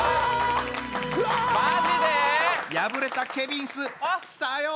破れたケビンスさようなら！